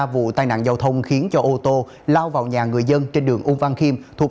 hai mươi năm quận bình thành